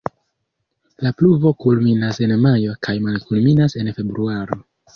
La pluvo kulminas en majo kaj malkulminas en februaro.